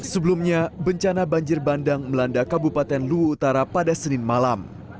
sebelumnya bencana banjir bandang melanda kabupaten luwu utara pada senin malam